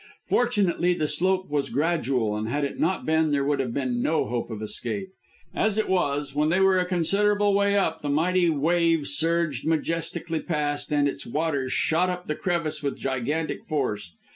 Fortunately the slope was gradual, and had it not been there would have been no hope of escape. As it was, when they were a considerable way up the mighty wave surged majestically past, and its waters shot up the crevice with gigantic force.